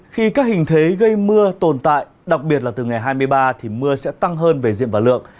khi các hình thế gây mưa tồn tại đặc biệt là từ ngày hai mươi ba thì mưa sẽ tăng hơn về diện và lượng